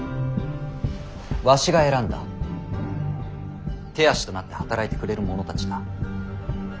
わしが選んだ手足となって働いてくれる者たちだ。